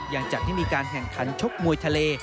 ยังจัดให้มีการแข่งขันชกมวยทะเล